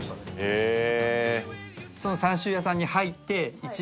へえ。